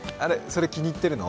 それ気に入ってるの？